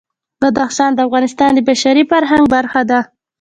بدخشان د افغانستان د بشري فرهنګ برخه ده.